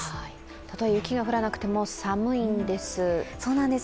たとえ雪が降らなくても寒いんです。